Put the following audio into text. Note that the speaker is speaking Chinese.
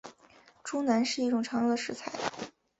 猪腩是一种常用的食材。